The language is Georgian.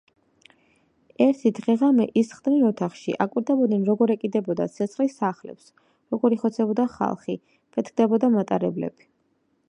ერთი დღე-ღამე ისხდნენ ოთახში აკვირდებოდნენ როგორ ეკიდებოდა ცეცხლი სახლებს, როგორ იხოცებოდა ხალხი, ფეთქდებოდა მატარებლები.